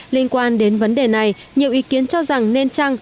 linh quan đến vấn đề này nhiều ý kiến cho rằng nên trả